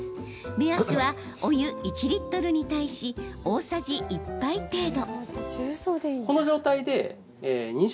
目安は、お湯１リットルに対し大さじ１杯程度。